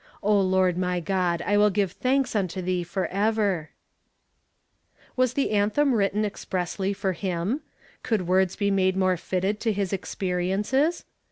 O Lord my God, I will give thanks unto thee forever !" Was the anthem written expressly for him? Could words be made more fitted to his experi ences?